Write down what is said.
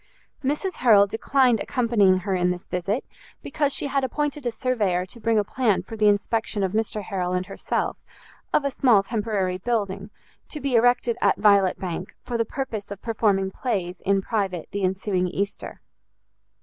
Mrs Harrel declined accompanying her in this visit, because she had appointed a surveyor to bring a plan for the inspection of Mr Harrel and herself, of a small temporary building, to be erected at Violet Bank, for the purpose of performing plays in private the ensuing Easter.